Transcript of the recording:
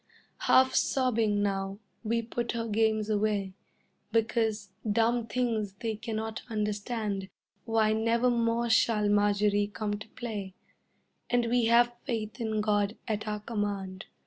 Half sobbing now, we put her games away, Because, dumb things, they cannot understand Why never more shall Marjorie come to play, And we have faith in God at our command.